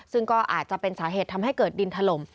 ซึ่งก็อาจจะเป็นสาเหตุทำให้เกิดดินถล่ม